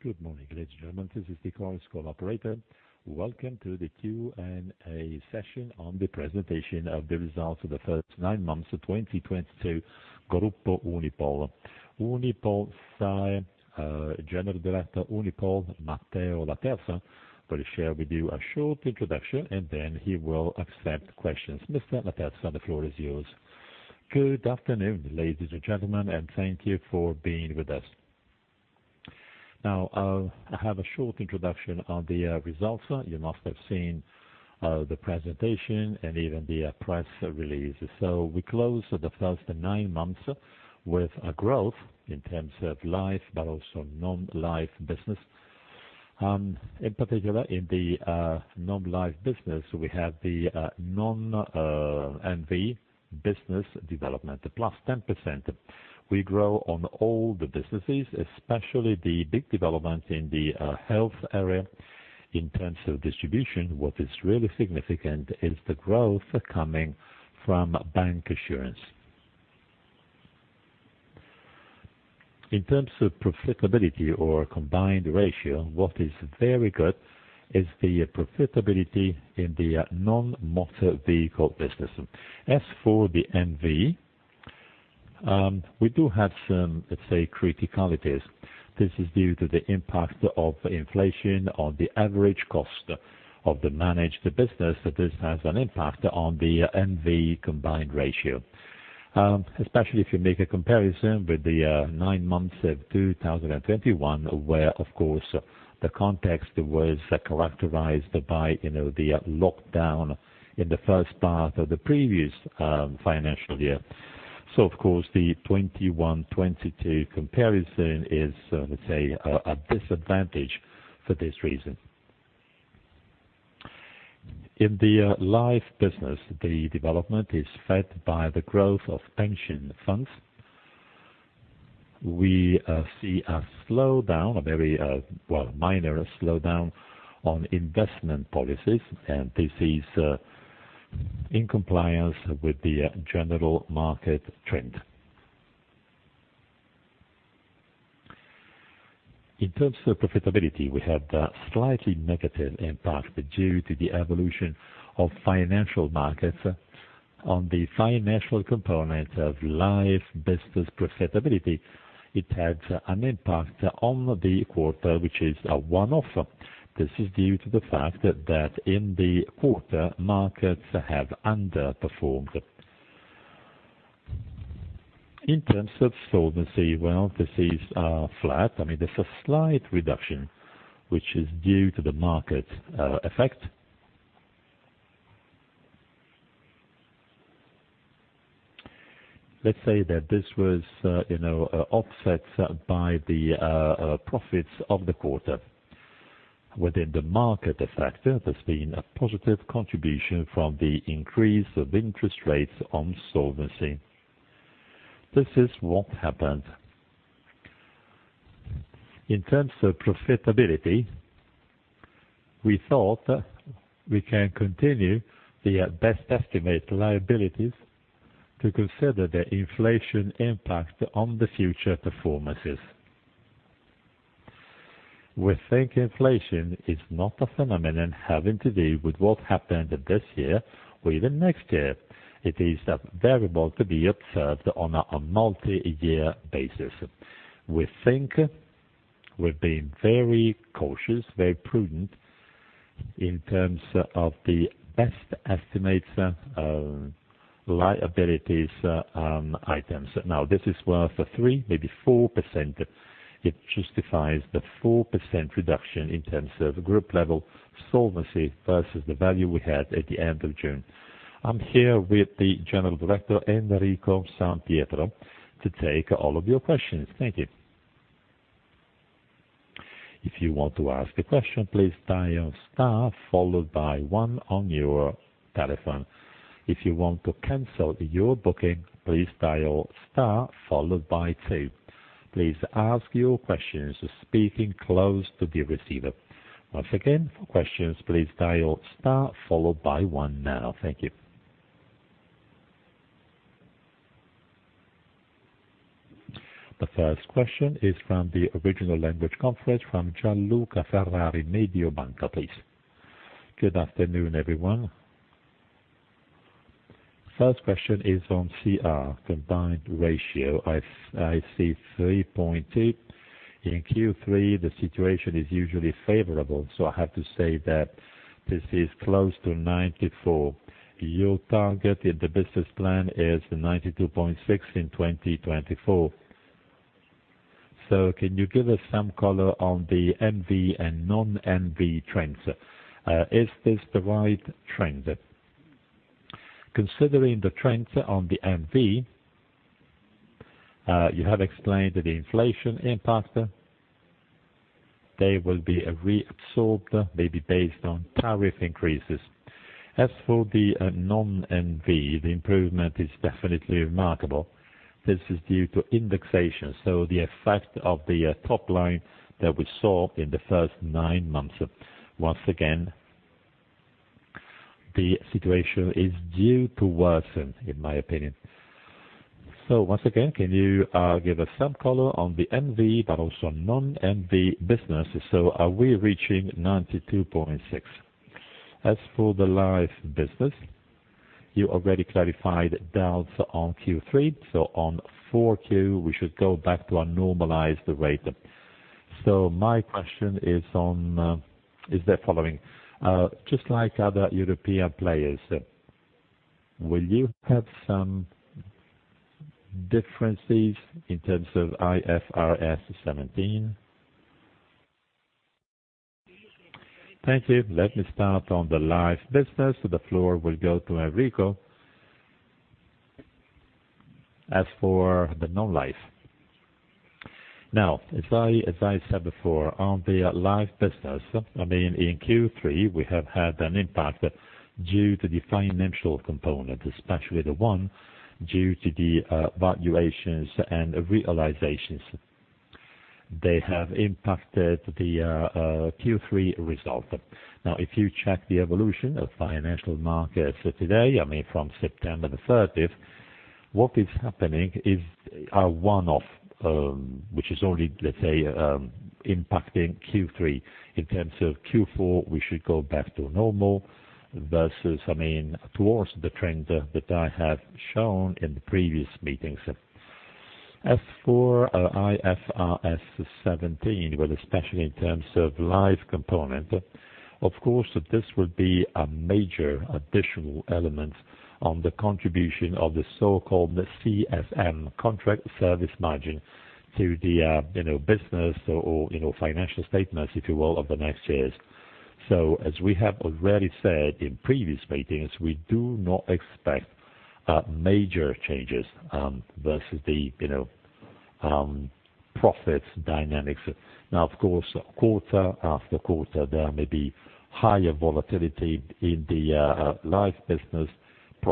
Good morning, ladies and gentlemen. This is the conference call operator. Welcome to the Q&A session on the presentation of the results of the first nine months of 2022 Gruppo Unipol. UnipolSai General Manager Unipol, Matteo Laterza will share with you a short introduction, and then he will accept questions. Mr. Laterza, the floor is yours. Good afternoon, ladies and gentlemen, and thank you for being with us. Now, I have a short introduction on the results. You must have seen the presentation and even the press release. We closed the first nine months with a growth in terms of Life but also Non-Life business. In particular in the Non-Life business, we have the Non-MV business development, +10%. We grow on all the businesses, especially the big development in the health area. In terms of distribution, what is really significant is the growth coming from bancassurance. In terms of profitability or combined ratio, what is very good is the profitability in the Non-Motor Vehicle business. As for the NV, we do have some, let's say, criticalities. This is due to the impact of inflation on the average cost of the managed business. This has an impact on the NV combined ratio. Especially if you make a comparison with the nine months of 2021, where of course, the context was characterized by, you know, the lockdown in the first part of the previous financial year. Of course, the 2021-2022 comparison is, let's say, a disadvantage for this reason. In the Life business, the development is fed by the growth of pension funds. We see a slowdown, a very minor slowdown on investment policies, and this is in compliance with the general market trend. In terms of profitability, we have the slightly negative impact due to the evolution of financial markets on the financial component of Life business profitability. It has an impact on the quarter, which is a one-off. This is due to the fact that in the quarter, markets have underperformed. In terms of solvency, this is flat. I mean, there's a slight reduction, which is due to the market effect. Let's say that this was offset by the profits of the quarter. Within the market effect, there's been a positive contribution from the increase of interest rates on solvency. This is what happened. In terms of profitability, we thought we can continue the Best Estimate Liabilities to consider the inflation impact on the future performances. We think inflation is not a phenomenon having to do with what happened this year or even next year. It is a variable to be observed on a multi-year basis. We think we've been very cautious, very prudent in terms of the Best Estimate Liabilities, items. Now, this is worth 3%, maybe 4%. It justifies the 4% reduction in terms of group level solvency versus the value we had at the end of June. I'm here with the General Manager, Enrico San Pietro, to take all of your questions. Thank you. If you want to ask a question, please dial star followed by one on your telephone. If you want to cancel your booking, please dial star followed by two. Please ask your questions speaking close to the receiver. Once again, for questions, please dial star followed by one now. Thank you. The first question is from the original language conference from Gianluca Ferrari, Mediobanca, please. Good afternoon, everyone. First question is on CR, combined ratio. I see 3.8. In Q3, the situation is usually favorable, so I have to say that this is close to 94%. Your target in the business plan is 92.6% in 2024. Can you give us some color on the MV and Non-MV trends? Is this the right trend? Considering the trends on the MV, you have explained the inflation impact. They will be reabsorbed, maybe based on tariff increases. As for the Non-MV, the improvement is definitely remarkable. This is due to indexation. The effect of the top line that we saw in the first nine months once again. The situation is due to worsen, in my opinion. Once again, can you give us some color on the MV, but also non-MV businesses. Are we reaching 92.6%? As for the life business, you already clarified doubts on Q3, so on Q4, we should go back to a normalized rate. My question is the following. Just like other European players, will you have some differences in terms of IFRS 17? Thank you. Let me start on the life business. The floor will go to Enrico. As for the non-life. Now, as I said before, on the life business, I mean, in Q3, we have had an impact due to the financial component, especially the one due to the valuations and realizations. They have impacted the Q3 result. Now, if you check the evolution of financial markets today, I mean, from September 3rd, what is happening is a one-off, which is only, let's say, impacting Q3. In terms of Q4, we should go back to normal versus, I mean, towards the trend that I have shown in the previous meetings. As for IFRS 17, well, especially in terms of life component, of course, this will be a major additional element on the contribution of the so-called CSM, Contractual Service Margin, to the business or financial statements, if you will, of the next years. As we have already said in previous meetings, we do not expect major changes versus the, you know, profits dynamics. Now, of course, quarter after quarter, there may be higher volatility in the life business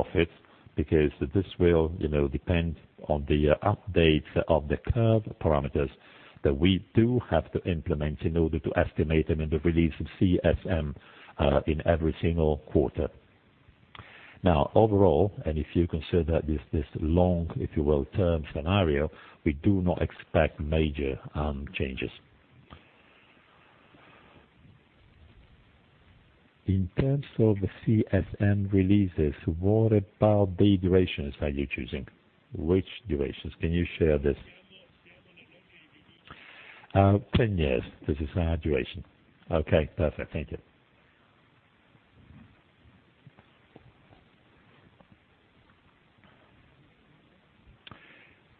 profits, because this will, you know, depend on the updates of the curve parameters that we do have to implement in order to estimate them in the release of CSM in every single quarter. Now, overall, if you consider this long, if you will, term scenario, we do not expect major changes. In terms of CSM releases, what about the durations are you choosing? Which durations? Can you share this? 10 years. This is our duration. Okay, perfect. Thank you.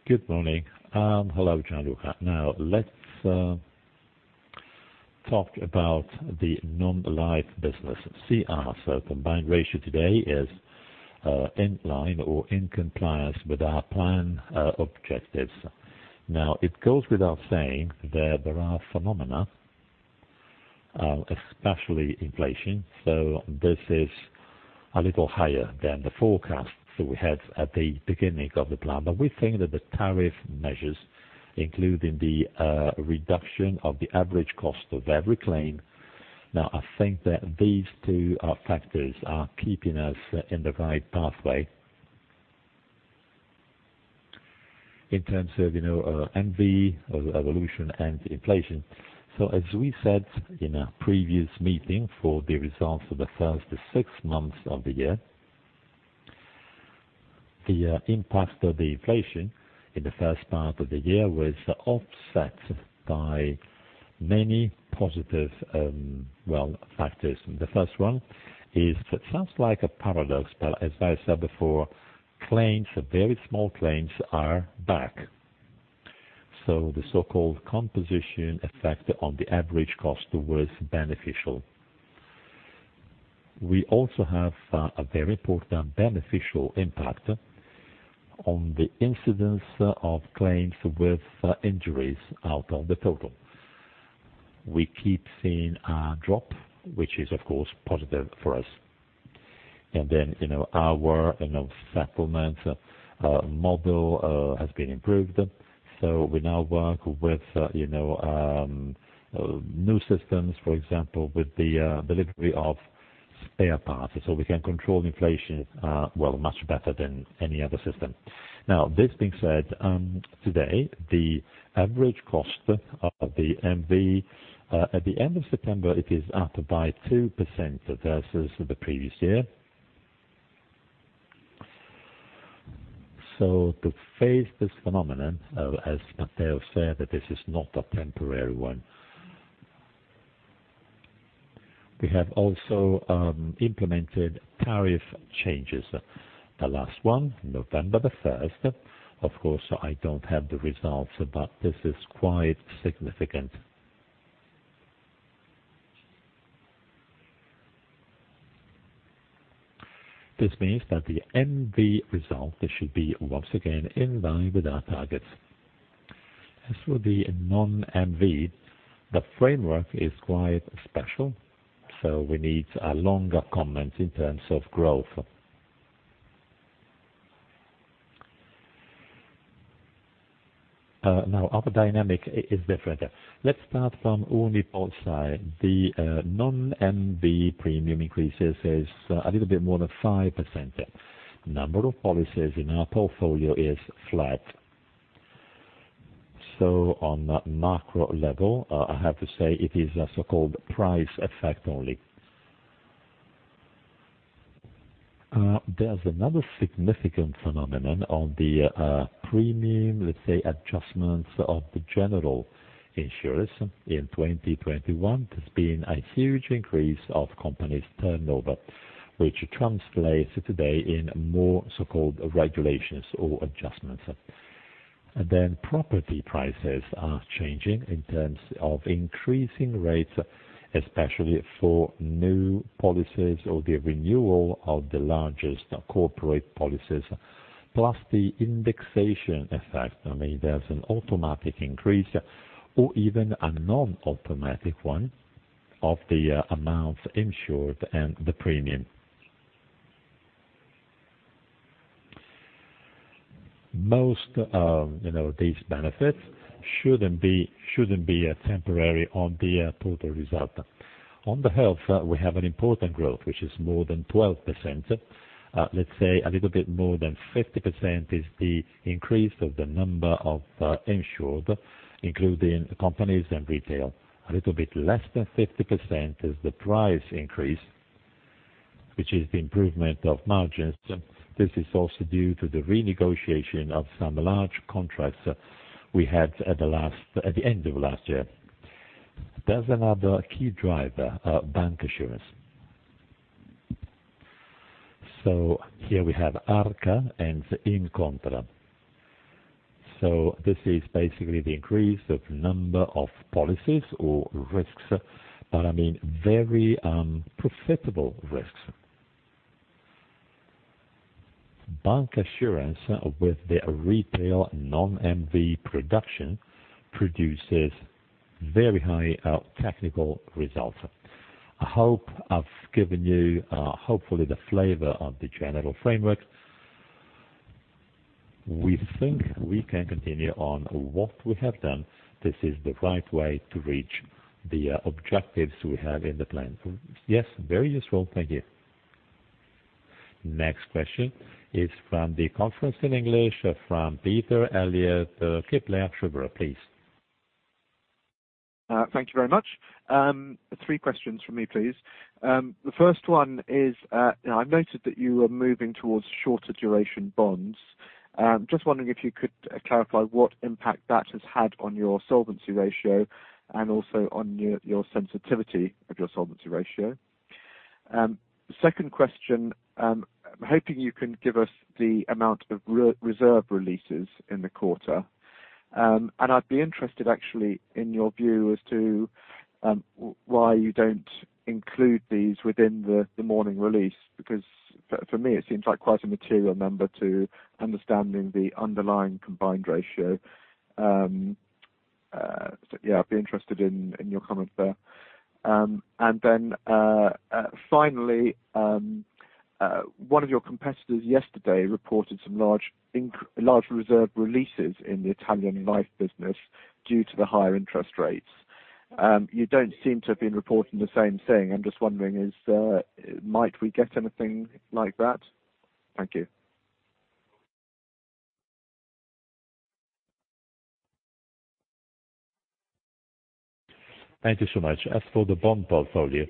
Good morning. Hello, Gianluca. Now, let's talk about the non-life business. CR, combined ratio today is in line or in compliance with our plan objectives. Now, it goes without saying that there are phenomena, especially inflation, so this is a little higher than the forecast that we had at the beginning of the plan. We think that the tariff measures, including the reduction of the average cost of every claim. Now, I think that these two factors are keeping us in the right pathway in terms of, you know, MV evolution, and inflation. As we said in a previous meeting for the results of the first six months of the year, the impact of the inflation in the first part of the year was offset by many positive, well, factors. The first one is, it sounds like a paradox, but as I said before, claims, very small claims are back. The so-called composition effect on the average cost was beneficial. We also have a very important beneficial impact on the incidence of claims with injuries out of the total. We keep seeing a drop, which is of course positive for us. You know, our you know settlement model has been improved. We now work with you know new systems, for example, with the delivery of spare parts, so we can control inflation well, much better than any other system. Now, this being said, today, the average cost of the MV at the end of September, it is up by 2% versus the previous year. To face this phenomenon, as Matteo said, that this is not a temporary one. We have also implemented tariff changes. The last one, November 1. Of course, I don't have the results, but this is quite significant. This means that the MV result should be once again in line with our targets. As for the non-MV, the framework is quite special, so we need a longer comment in terms of growth. Now other dynamic is different. Let's start from UnipolSai. The non-MV premium increases is a little bit more than 5%. Number of policies in our portfolio is flat. On macro level, I have to say it is a so-called price effect only. There's another significant phenomenon on the premium, let's say, adjustments of the general insurers. In 2021, there's been a huge increase of companies turnover, which translates today in more so-called regulations or adjustments. Property prices are changing in terms of increasing rates, especially for new policies or the renewal of the largest corporate policies, plus the indexation effect. I mean, there's an automatic increase or even a non-automatic one of the amount insured and the premium. Most of, you know, these benefits shouldn't be a temporary on the total result. On the health, we have an important growth, which is more than 12%. Let's say a little bit more than 50% is the increase of the number of insured, including companies and retail. A little bit less than 50% is the price increase, which is the improvement of margins. This is also due to the renegotiation of some large contracts we had at the end of last year. There's another key driver, bancassurance. Here we have Arca and Incontra. This is basically the increase of number of policies or risks, but I mean very profitable risks. Bancassurance with their retail non-MV production produces very high technical results. I hope I've given you hopefully the flavor of the general framework. We think we can continue on what we have done. This is the right way to reach the objectives we have in the plan. Yes, very useful. Thank you. Next question is from the conference in English from Peter Eliot, Kepler Cheuvreux, please. Thank you very much. Three questions from me, please. The first one is, now I noted that you are moving towards shorter duration bonds. Just wondering if you could clarify what impact that has had on your solvency ratio and also on your sensitivity of your solvency ratio. Second question, I'm hoping you can give us the amount of reserve releases in the quarter. I'd be interested actually in your view as to why you don't include these within the morning release, because for me, it seems like quite a material number to understanding the underlying combined ratio. So yeah, I'd be interested in your comment there. Finally, one of your competitors yesterday reported some large reserve releases in the Italian life business due to the higher interest rates. You don't seem to have been reporting the same thing. I'm just wondering, might we get anything like that? Thank you. Thank you so much. As for the bond portfolio,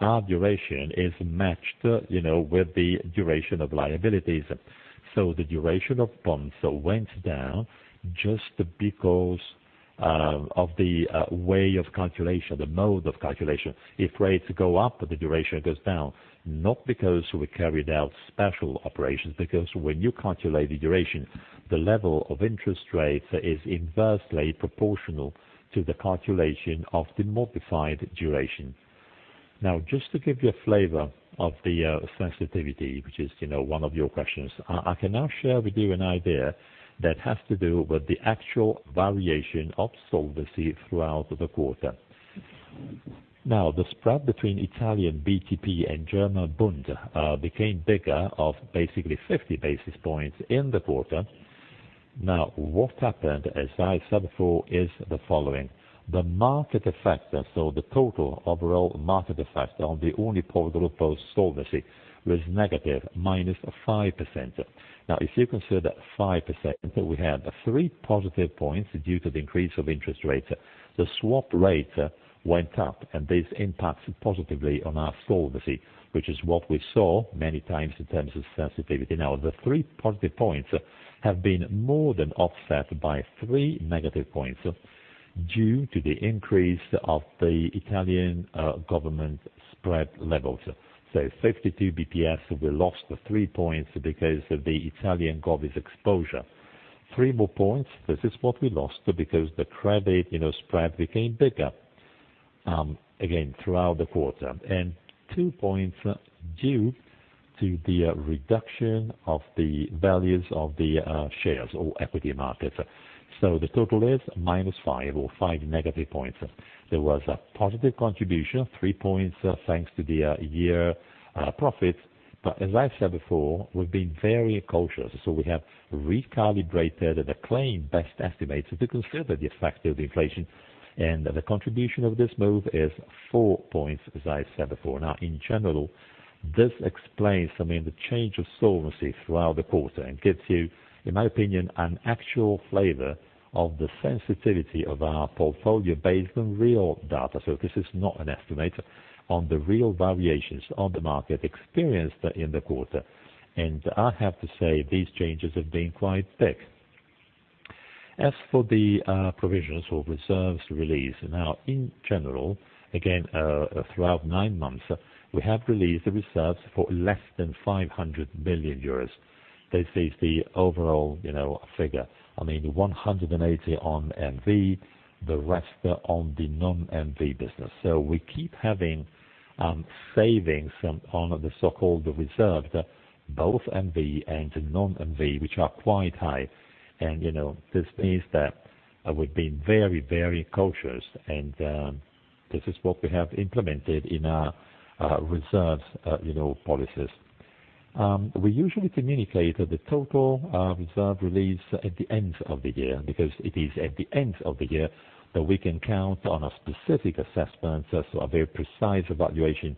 our duration is matched, you know, with the duration of liabilities. The duration of bonds went down just because of the way of calculation, the mode of calculation. If rates go up, the duration goes down, not because we carried out special operations. When you calculate the duration, the level of interest rates is inversely proportional to the calculation of the modified duration. Now, just to give you a flavor of the sensitivity, which is, you know, one of your questions, I can now share with you an idea that has to do with the actual variation of solvency throughout the quarter. Now, the spread between Italian BTP and German Bund became bigger of basically 50 basis points in the quarter. Now, what happened, as I said before, is the following: the market effect. The total overall market effect on the own portfolio solvency was negative, minus 5%. Now, if you consider 5%, we had three positive points due to the increase of interest rates. The swap rate went up, and this impacts positively on our solvency, which is what we saw many times in terms of sensitivity. Now, the three positive points have been more than offset by three negative points due to the increase of the Italian government spread levels. 52 basis points, we lost three points because of the Italian government's exposure. Three more points, this is what we lost because the credit, you know, spread became bigger again throughout the quarter. Two points due to the reduction of the values of the shares or equity markets. The total is minus five or five negative points. There was a positive contribution, three points, thanks to the year profits. As I've said before, we've been very cautious. We have recalibrated the claims best estimates to consider the effects of the inflation, and the contribution of this move is four points, as I said before. Now, in general, this explains, I mean, the change of solvency throughout the quarter and gives you, in my opinion, an actual flavor of the sensitivity of our portfolio based on real data. This is not an estimate on the real variations on the market experienced in the quarter. I have to say these changes have been quite big. As for the provisions or reserves release. Now, in general, again, throughout nine months, we have released the reserves for less than 500 million euros. This is the overall, you know, figure. I mean, 180 on Non-MV, the rest on the non-Non-MV business. We keep having savings from on the so-called reserve, both Non-MV and non-Non-MV, which are quite high. This is what we have implemented in our reserves policies. We usually communicate the total reserve release at the end of the year, because it is at the end of the year that we can count on a specific assessment, so a very precise evaluation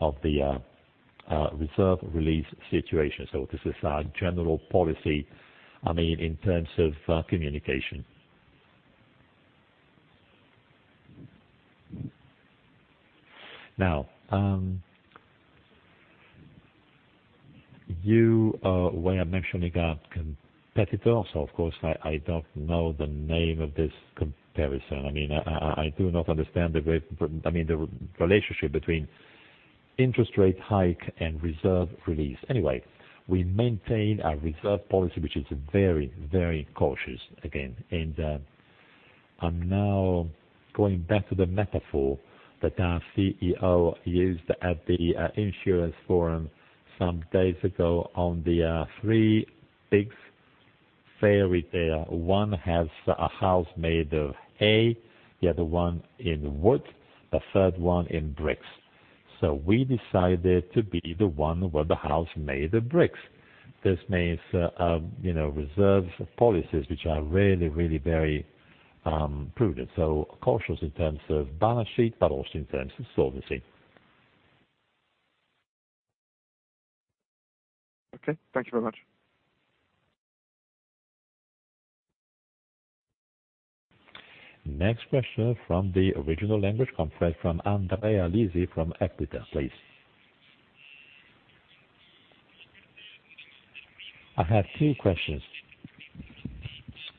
of the reserve release situation. This is our general policy, I mean, in terms of communication. Now, you were mentioning our competitors. Of course, I do not understand the great. I mean, the relationship between interest rate hike and reserve release. Anyway, we maintain our reserve policy, which is very, very cautious again. I'm now going back to the metaphor that our CEO used at the insurance forum some days ago on the three pigs fairy tale. One has a house made of hay, the other one in wood, the third one in bricks. We decided to be the one with the house made of bricks. This means, you know, reserves policies which are really, really very prudent. Cautious in terms of balance sheet, but also in terms of solvency. Okay. Thank you very much. Next question from the original language conference from Andrea Lisi from Equita, please. I have two questions.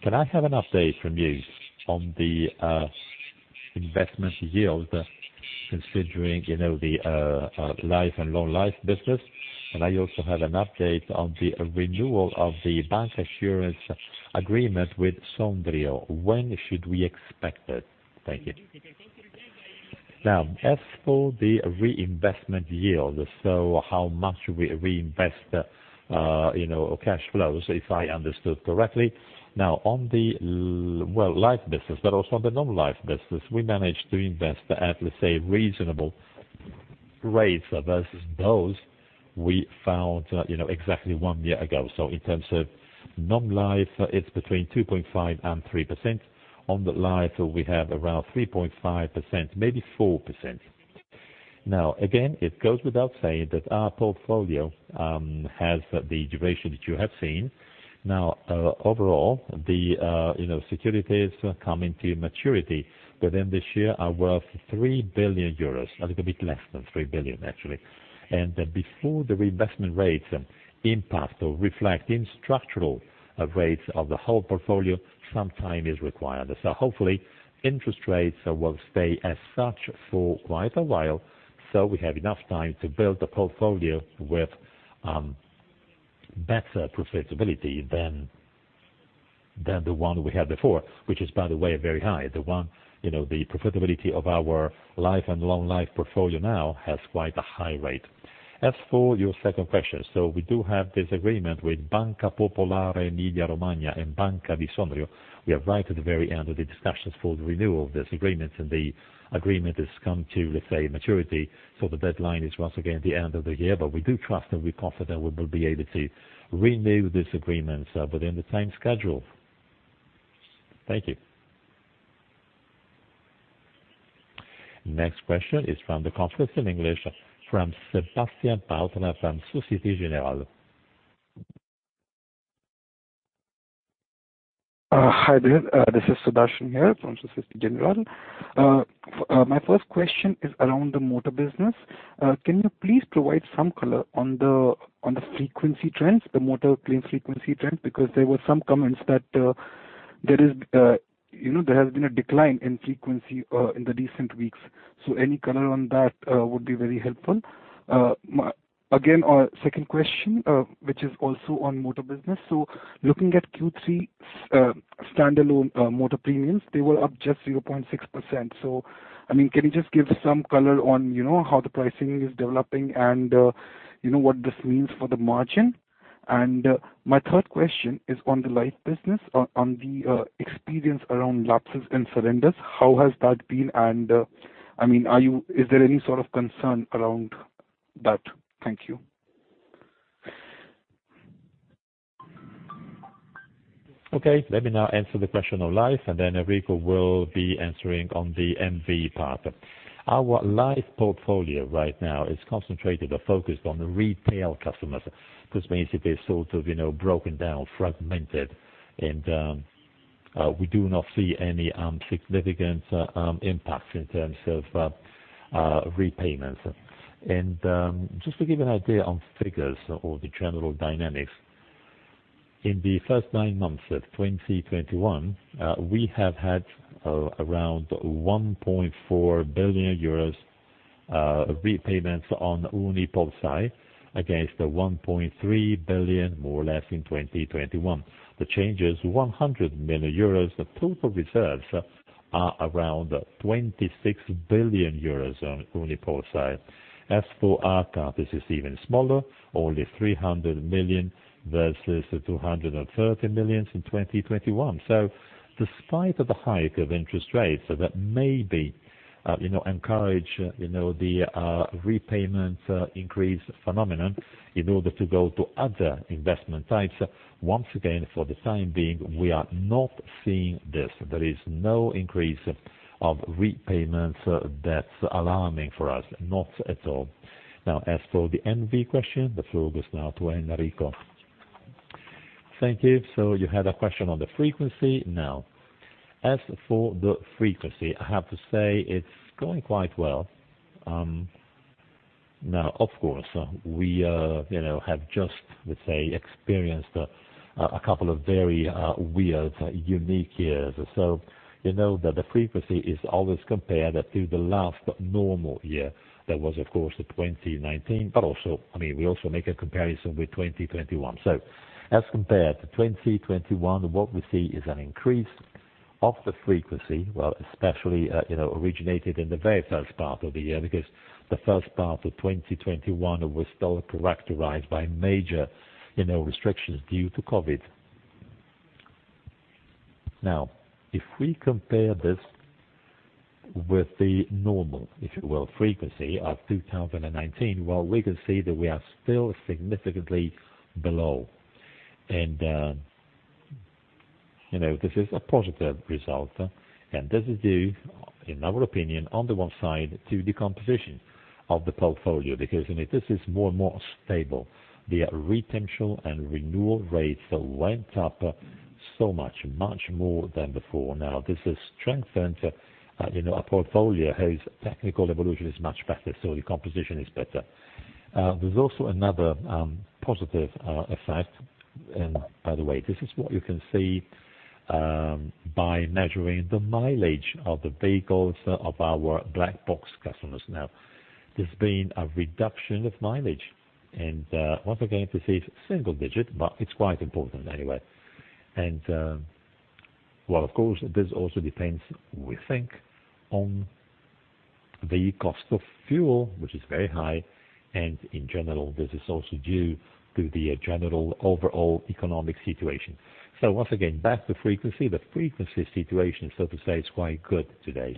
Can I have an update from you on the investment yield considering, you know, the life and non-life business? I also have an update on the renewal of the bancassurance agreement with Sondrio. When should we expect it? Thank you. As for the reinvestment yield, how much we reinvest, you know, cash flows, if I understood correctly. On the well, life business but also on the non-life business, we managed to invest at, let's say, reasonable rates versus those we found, you know, exactly one year ago. In terms of non-life, it's between 2.5% and 3%. On the life, we have around 3.5%, maybe 4%. Now, again, it goes without saying that our portfolio has the duration that you have seen. Now, overall, you know, securities coming to maturity within this year are worth 3 billion euros, a little bit less than 3 billion, actually. Before the reinvestment rates impact or reflect in structural rates of the whole portfolio, some time is required. Hopefully interest rates will stay as such for quite a while, so we have enough time to build a portfolio with better profitability than the one we had before, which is, by the way, very high. The one, you know, the profitability of our life and long life portfolio now has quite a high rate. As for your second question, we do have this agreement with Banca Popolare dell'Emilia Romagna and Banca Popolare di Sondrio. We are right at the very end of the discussions for the renewal of this agreement, and the agreement has come to, let's say, maturity. The deadline is once again at the end of the year. We do trust and we're confident we will be able to renew this agreement within the same schedule. Thank you. Next question is from the conference in English from Sebastian Bautz from Société Générale. Hi there. This is Sebastian from Société Générale. My first question is around the motor business. Can you please provide some color on the frequency trends, the motor claim frequency trend? Because there were some comments that there is, you know, there has been a decline in frequency in the recent weeks. Any color on that would be very helpful. Again, second question, which is also on motor business. Looking at Q3 standalone motor premiums, they were up just 0.6%. I mean, can you just give some color on how the pricing is developing and you know what this means for the margin? My third question is on the life business. On the experience around lapses and surrenders, how has that been? I mean, is there any sort of concern around that? Thank you. Okay. Let me now answer the question on life, and then Enrico will be answering on the MV part. Our life portfolio right now is concentrated or focused on retail customers. This means it is sort of, you know, broken down, fragmented, and we do not see any significant impact in terms of repayments. Just to give you an idea on figures or the general dynamics, in the first nine months of 2021, we have had around 1.4 billion euros repayments on UnipolSai against the 1.3 billion, more or less in 2021. The change is 100 million euros. The total reserves are around 26 billion euros on UnipolSai. As for RCA, this is even smaller, only 300 million versus 230 million in 2021. Despite the hike of interest rates that may encourage you know the redemption increase phenomenon in order to go to other investment types, once again, for the time being, we are not seeing this. There is no increase of redemptions that's alarming for us. Not at all. Now, as for the MV question, the floor goes now to Enrico. Thank you. You had a question on the frequency. Now, as for the frequency, I have to say it's going quite well. Now of course, we have just, let's say, experienced a couple of very weird unique years. You know that the frequency is always compared to the last normal year. That was of course 2019. I mean, we also make a comparison with 2021. As compared to 2021, what we see is an increase of the frequency, well, especially, you know, originated in the very first part of the year, because the first part of 2021 was still characterized by major, you know, restrictions due to COVID. Now, if we compare this with the normal, if you will, frequency of 2019, well, we can see that we are still significantly below. You know, this is a positive result. This is due, in our opinion, on the one side, to the composition of the portfolio, because, I mean, this is more and more stable. The retention and renewal rates went up so much more than before. Now this has strengthened, you know, our portfolio, whose technical evolution is much better, so the composition is better. There's also another positive effect. By the way, this is what you can see by measuring the mileage of the vehicles of our Black Box customers. Now there's been a reduction of mileage, and once again, this is single digit, but it's quite important anyway. Well, of course, this also depends, we think, on the cost of fuel, which is very high. In general, this is also due to the general overall economic situation. Once again, back to frequency. The frequency situation, so to say, is quite good today.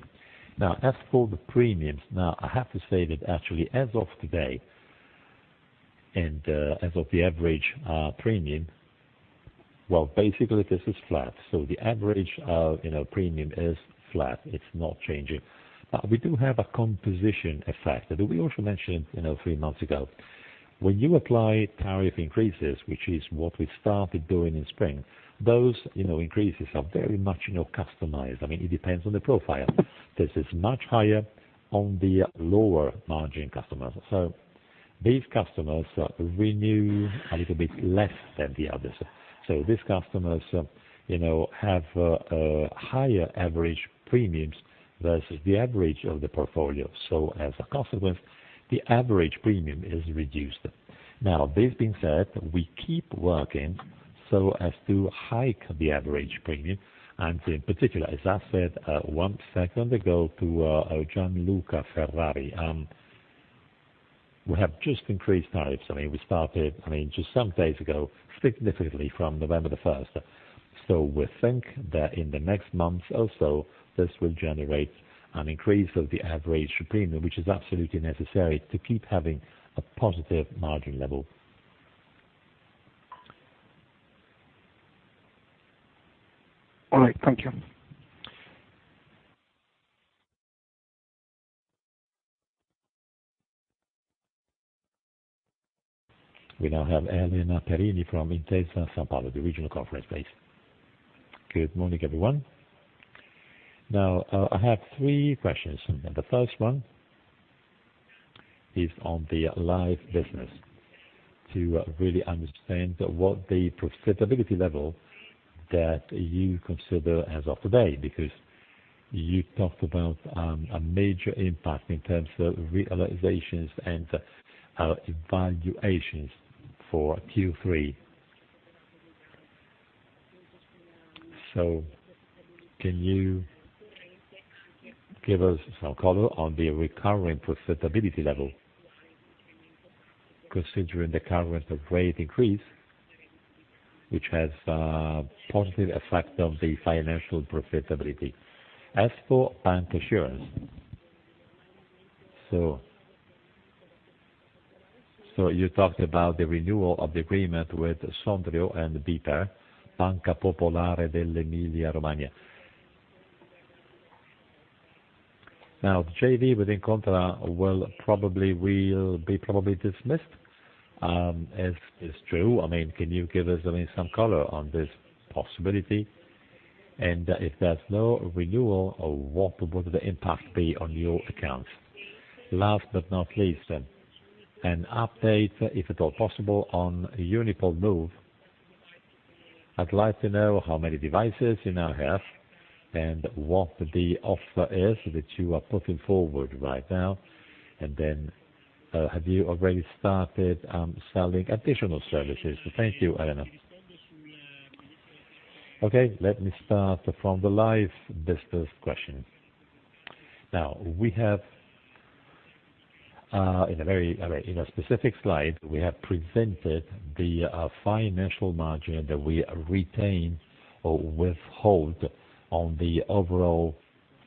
Now, as for the premiums, I have to say that actually as of today and as of the average premium, well, basically this is flat. The average, you know, premium is flat. It's not changing. But we do have a composition effect that we also mentioned, you know, three months ago. When you apply tariff increases, which is what we started doing in spring, those, you know, increases are very much, you know, customized. I mean, it depends on the profile. This is much higher on the lower margin customers. These customers renew a little bit less than the others. These customers, you know, have higher average premiums versus the average of the portfolio. As a consequence, the average premium is reduced. Now, this being said, we keep working so as to hike the average premium and in particular, as I said, one second ago to Gianluca Ferrari, we have just increased tariffs. I mean, we started just some days ago, significantly from November the first. We think that in the next months also this will generate an increase of the average premium, which is absolutely necessary to keep having a positive margin level. All right. Thank you. We now have Elena Perini from Intesa Sanpaolo, Research Analyst. Good morning, everyone. Now, I have three questions. The first one is on the life business to really understand what the profitability level that you consider as of today, because you talked about a major impact in terms of realizations and evaluations for Q3. Can you give us some color on the recurring profitability level considering the current rate increase, which has a positive effect on the financial profitability? As for bancassurance, you talked about the renewal of the agreement with Sondrio and BPER, Banca Popolare dell'Emilia Romagna. Now, the JV with Incontra will probably be dismissed, if it's true. I mean, can you give us some color on this possibility? If there's no renewal, what would the impact be on your accounts? Last but not least, an update, if at all possible, on UnipolMove. I'd like to know how many devices you now have and what the offer is that you are putting forward right now. Have you already started selling additional services? Thank you, Elena. Okay, let me start from the Life business question. Now, we have in a specific slide, we have presented the financial margin that we retain or withhold on the overall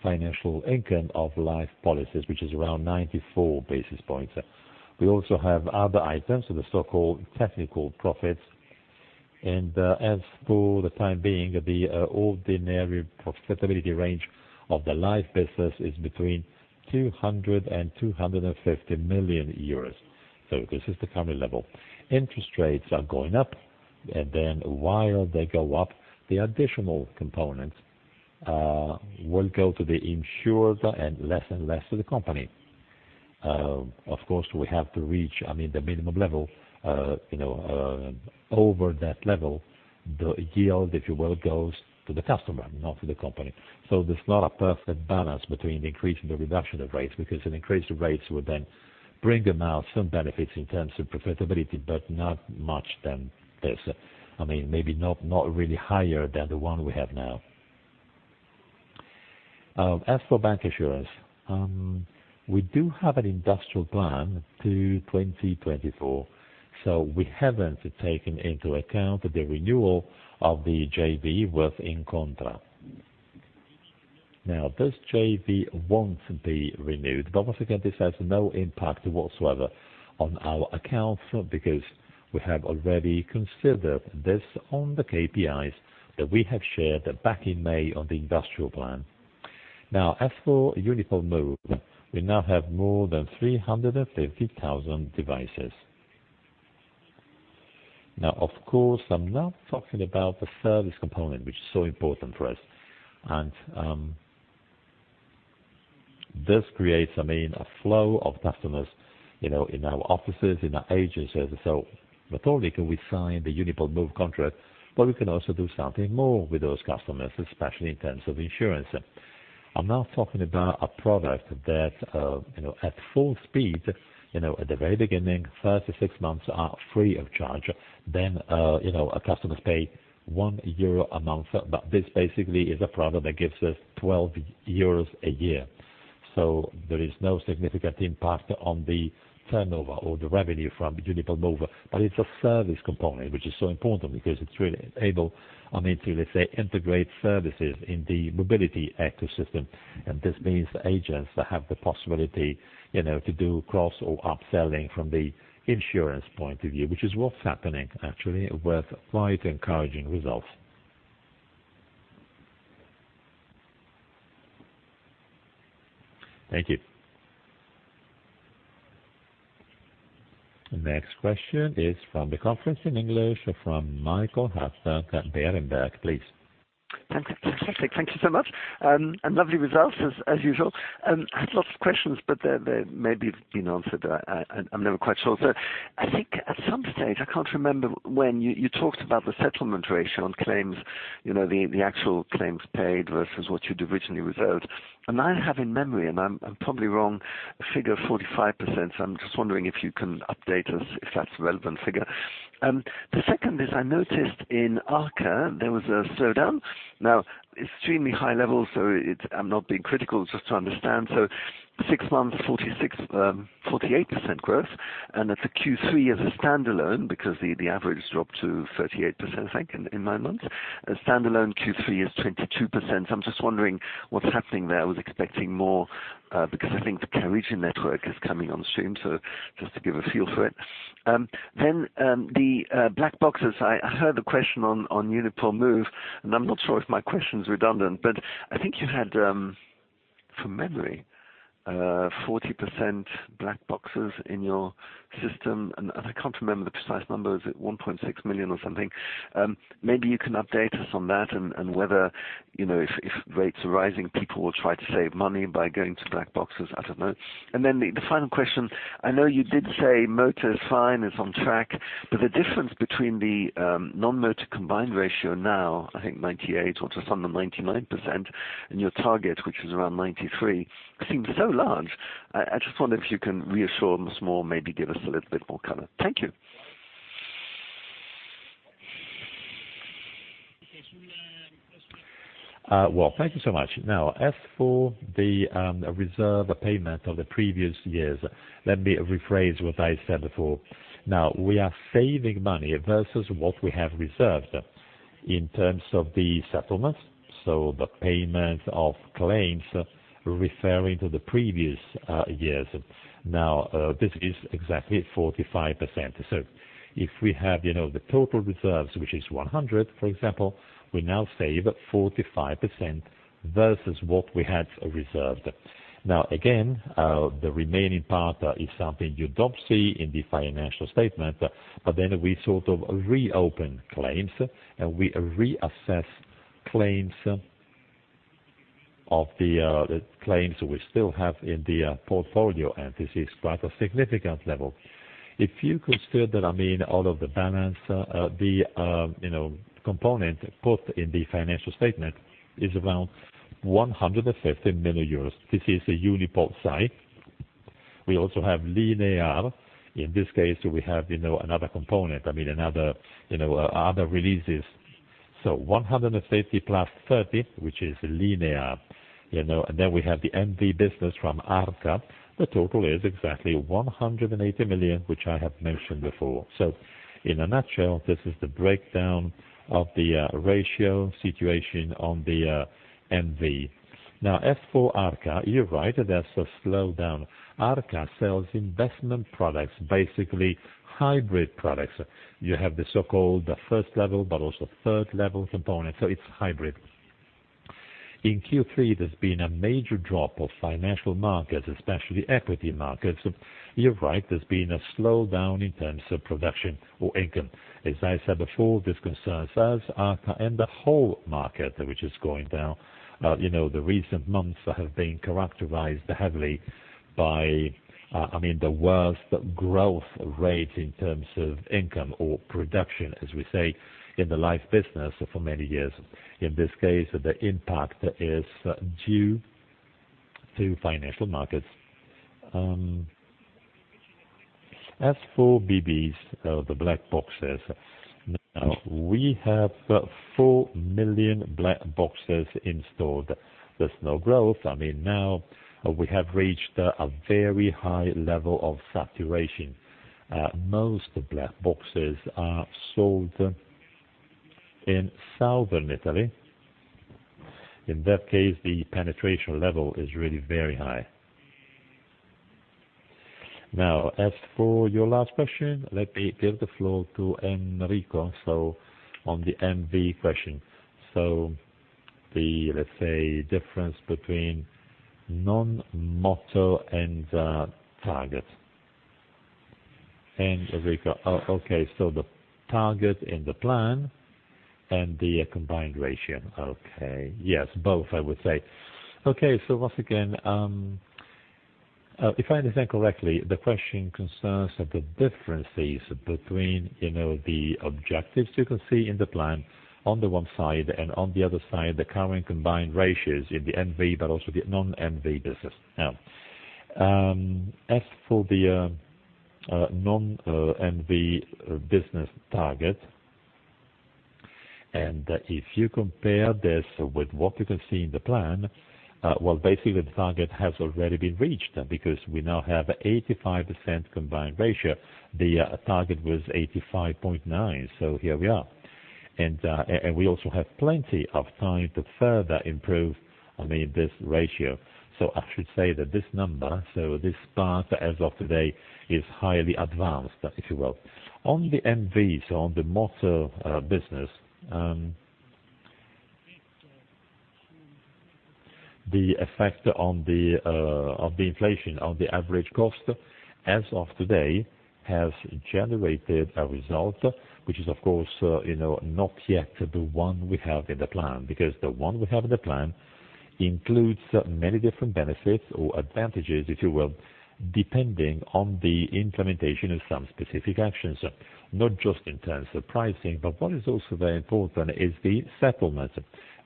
financial income of Life policies, which is around 94 basis points. We also have other items, the so-called technical profits. As for the time being, the ordinary profitability range of the Life business is between 200 million euros and 250 million euros. This is the current level. Interest rates are going up, and then while they go up, the additional components will go to the insured and less and less to the company. Of course, we have to reach, I mean, the minimum level. You know, over that level, the yield, if you will, goes to the customer, not to the company. There's not a perfect balance between the increase and the reduction of rates, because an increase of rates would then bring about some benefits in terms of profitability, but not much more than this. I mean, maybe not really higher than the one we have now. As for bancassurance, we do have an industrial plan to 2024, so we haven't taken into account the renewal of the JV with Incontra. Now, this JV won't be renewed, but once again, this has no impact whatsoever on our accounts because we have already considered this on the KPIs that we have shared back in May on the industrial plan. Now, as for UnipolMove, we now have more than 350,000 devices. Now, of course, I'm not talking about the service component, which is so important for us. This creates, I mean, a flow of customers, you know, in our offices, in our agencies. Not only can we sign the UnipolMove contract, but we can also do something more with those customers, especially in terms of insurance. I'm now talking about a product that, you know, at full speed, you know, at the very beginning, 36 months are free of charge. You know, our customers pay 1 euro a month. This basically is a product that gives us 12 euros a year. There is no significant impact on the turnover or the revenue from UnipolMove. It's a service component, which is so important because it's really able, I mean, to, let's say, integrate services in the mobility ecosystem. This means agents have the possibility, you know, to do cross or upselling from the insurance point of view, which is what's happening actually with quite encouraging results. Thank you. The next question is from the conference in English from Michael Huttner at Berenberg. Please. Thank you so much. Lovely results as usual. I have lots of questions, but they may be, you know, I'm never quite sure. I think at some stage, I can't remember when you talked about the settlement ratio on claims, you know, the actual claims paid versus what you'd originally reserved. I have in memory, and I'm probably wrong, a figure of 45%. I'm just wondering if you can update us if that's a relevant figure. The second is I noticed in Arca there was a slowdown. Now extremely high levels, it's. I'm not being critical, just to understand. Six months, 46, 48% growth. At the Q3 as a standalone, because the average dropped to 38%, I think, in nine months. A standalone Q3 is 22%. I'm just wondering what's happening there. I was expecting more, because I think the garage network is coming on stream. Just to give a feel for it. Then the black boxes. I heard the question on UnipolMove, and I'm not sure if my question's redundant, but I think you had, from memory, 40% black boxes in your system. And I can't remember the precise numbers, 1.6 million or something. Maybe you can update us on that and whether, you know, if rates are rising, people will try to save money by going to black boxes, I don't know. Then the final question. I know you did say motor is fine, it's on track, but the difference between the non-motor combined ratio now, I think 98% or just under 99%, and your target, which is around 93%, seems so large. I just wonder if you can reassure us more, maybe give us a little bit more color. Thank you. Well, thank you so much. As for the reserve payment of the previous years, let me rephrase what I said before. We are saving money versus what we have reserved in terms of the settlement, so the payment of claims referring to the previous years. This is exactly 45%. If we have, you know, the total reserves, which is 100, for example, we now save 45% versus what we had reserved. Again, the remaining part is something you don't see in the financial statement, but then we sort of reopen claims, and we reassess claims we still have in the portfolio, and this is quite a significant level. If you consider, I mean, out of the balance, the, you know, component put in the financial statement is around 150 million euros. This is the Unipol side. We also have Linear. In this case, we have, you know, another component, I mean, other releases. 150 million plus 30, which is Linear, you know, and then we have the MV business from Arca. The total is exactly 180 million, which I have mentioned before. In a nutshell, this is the breakdown of the ratio situation on the MV. Now, as for Arca, you're right, there's a slowdown. Arca sells investment products, basically hybrid products. You have the so-called first level but also third-level component, so it's hybrid. In Q3, there's been a major drop of financial markets, especially equity markets. You're right, there's been a slowdown in terms of production or income. As I said before, this concerns us, Arca, and the whole market, which is going down. You know, the recent months have been characterized heavily by, I mean the worst growth rate in terms of income or production, as we say, in the life business for many years. In this case, the impact is due to financial markets. As for BBs, the black boxes, now, we have 4 million black boxes installed. There's no growth. I mean, now we have reached a very high level of saturation. Most black boxes are sold in Southern Italy. In that case, the penetration level is really very high. Now, as for your last question, let me give the floor to Enrico. On the MV question. The, let's say, difference between non-motor and, target. Enrico. Oh, okay, the target in the plan and the combined ratio. Okay. Yes, both, I would say. Okay. Once again, if I understand correctly, the question concerns the differences between, you know, the objectives you can see in the plan on the one side, and on the other side, the current combined ratios in the MV, but also the Non-MV business. Now, as for the Non-MV business target, and if you compare this with what you can see in the plan, well, basically the target has already been reached because we now have 85% combined ratio. The target was 85.9%, so here we are. We also have plenty of time to further improve, I mean, this ratio. I should say that this number, so this part as of today, is highly advanced, if you will. On the MV, so on the motor business, the effect on the inflation, on the average cost as of today has generated a result, which is of course, you know, not yet the one we have in the plan. Because the one we have in the plan includes many different benefits or advantages, if you will, depending on the implementation of some specific actions, not just in terms of pricing, but what is also very important is the settlement.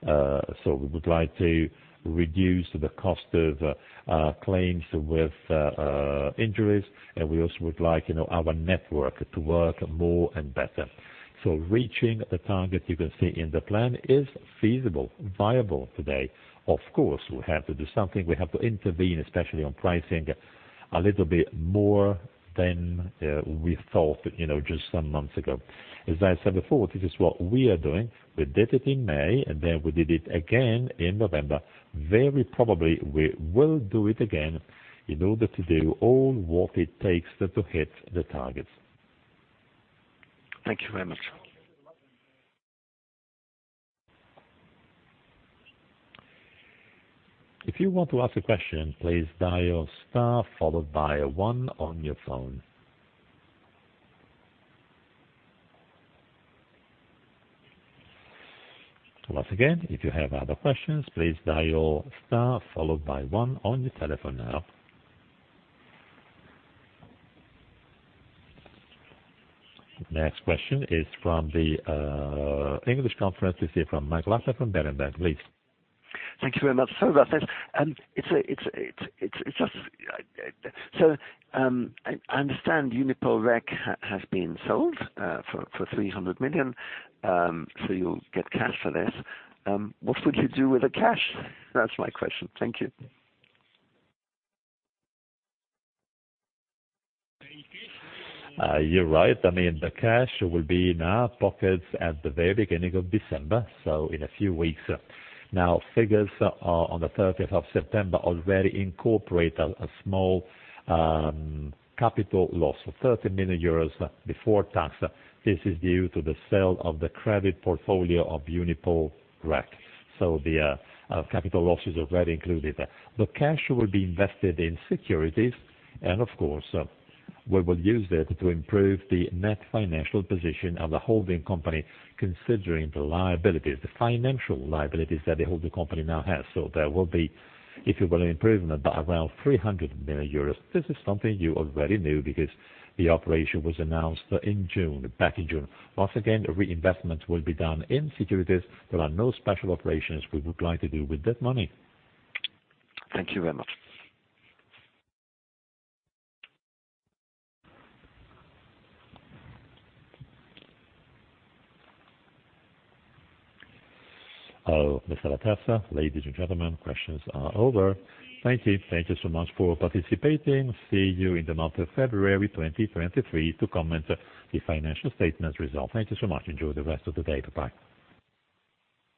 We would like to reduce the cost of claims with injuries, and we also would like, you know, our network to work more and better. Reaching the target you can see in the plan is feasible, viable today. Of course, we have to do something. We have to intervene, especially on pricing, a little bit more than we thought, you know, just some months ago. As I said before, this is what we are doing. We did it in May, and then we did it again in November. Very probably we will do it again in order to do all what it takes to hit the targets. Thank you very much. If you want to ask a question, please dial star followed by one on your phone. Once again, if you have other questions, please dial star followed by one on your telephone now. Next question is from the English conference. This is from Mike Larson from Bernstein. Please. Thank you very much. Rafael, I understand UnipolReC has been sold for 300 million, so you'll get cash for this. What would you do with the cash? That's my question. Thank you. You're right. I mean, the cash will be in our pockets at the very beginning of December, so in a few weeks. Now, figures on the thirtieth of September already incorporate a small capital loss of 30 million euros before tax. This is due to the sale of the credit portfolio of UnipolReC. The capital loss is already included. The cash will be invested in securities, and of course, we will use it to improve the net financial position of the holding company, considering the liabilities, the financial liabilities that the holding company now has. There will be, if you will, improvement by around 300 million euros. This is something you already knew because the operation was announced in June, back in June. Once again, reinvestment will be done in securities. There are no special operations we would like to do with that money. Thank you very much. Oh, Mr. Laterza, ladies and gentlemen, questions are over. Thank you. Thank you so much for participating. See you in the month of February 2023 to comment the financial statement results. Thank you so much. Enjoy the rest of the day. Bye-bye.